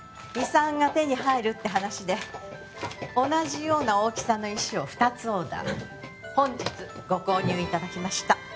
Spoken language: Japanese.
遺産が手に入るって話で同じような大きさの石を２つオーダー本日ご購入いただきました